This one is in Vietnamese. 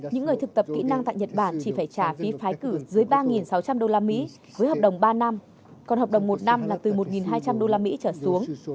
những người thực tập kỹ năng tại nhật bản chỉ phải trả phí phái cử dưới ba sáu trăm linh usd với hợp đồng ba năm còn hợp đồng một năm là từ một hai trăm linh usd trở xuống